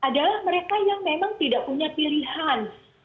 adalah mereka yang memang tidak punya pilihan